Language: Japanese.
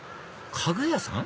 家具屋さん？